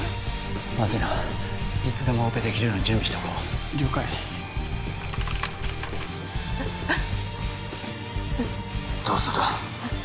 まずいないつでもオペできるように準備しておこう了解うっうっどうする？